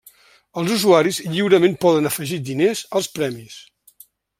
Els usuaris lliurement poden afegir diners als premis.